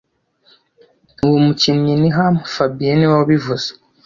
Uwo mukinnyi ni ham fabien niwe wabivuze